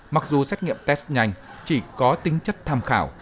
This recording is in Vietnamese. mặc dù xét nghiệm test nhanh chỉ có tính chất tham khảo